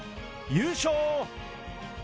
優勝！